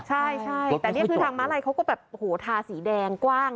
ใช่แต่นี่คือทางม้าลัยเขาก็แบบโอ้โหทาสีแดงกว้าง